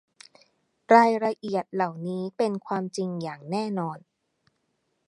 รายละเอียดเหล่านี้เป็นความจริงอย่างแน่นอน